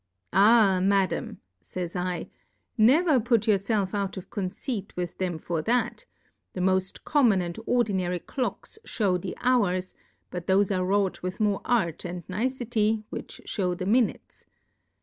Ah, Madam, 'fays J, never put your felf out of conceit with them for that ; the moft common and ordinary Clocks ftiew the Hours, but thofc are wrought with more Art and Nicity which fhew the Minutes.